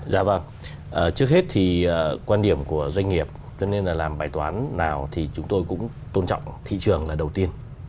dạ vâng trước hết thì quan điểm của doanh nghiệp cho nên là làm bài toán nào thì chúng tôi cũng tôn trọng thị trường là đầu tiên